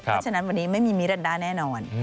เพราะฉะนั้นวันนี้ไม่มีมิรันดาแน่นอน